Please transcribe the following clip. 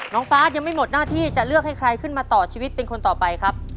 ฟ้ายังไม่หมดหน้าที่จะเลือกให้ใครขึ้นมาต่อชีวิตเป็นคนต่อไปครับ